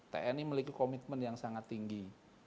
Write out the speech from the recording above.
tni memiliki komitmen yang sangat tinggi